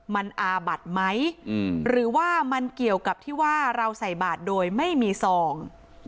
มันอาบัดไหมหรือว่ามันเกี่ยวกับที่ว่าเราใส่บาทโดยไม่มีซอง